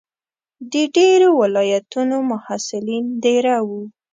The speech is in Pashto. د ډېرو ولایتونو محصلین دېره وو.